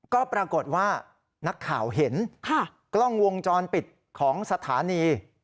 ก็ปรากฏว่านักข่าวเห็นกล้องวงจรปิดของสถานี